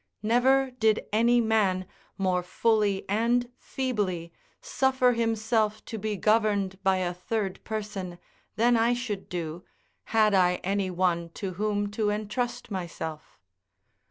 Never did any man more fully and feebly suffer himself to be governed by a third person than I should do, had I any one to whom to entrust myself.